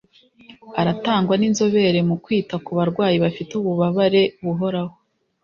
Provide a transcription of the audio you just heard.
Aratangwa n’inzobere mu kwita ku barwayi bafite ububabare buhoraho